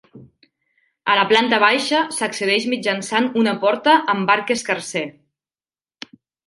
A la planta baixa s'accedeix mitjançant una porta amb arc escarser.